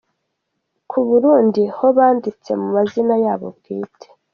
Ku Burundi ho banditse mu mazina yabo bwite.